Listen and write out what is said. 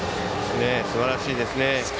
すばらしいですね。